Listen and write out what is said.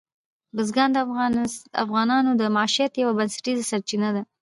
بزګان د افغانانو د معیشت یوه بنسټیزه سرچینه ده.